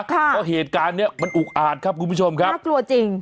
เพราะเหตุการณ์เนี้ยมันอุกอาจครับคุณผู้ชมครับน่ากลัวจริง